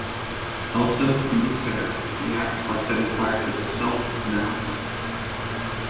Elsa, in despair, reacts by setting fire to herself and the house.